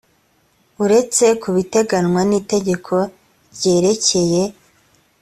uretse ku biteganywa n itegeko ryerekeye